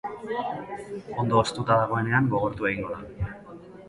Ondo hoztuta dagoenean gogortu egingo da.